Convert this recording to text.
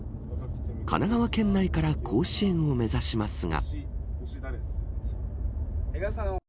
神奈川県内から甲子園を目指しますが。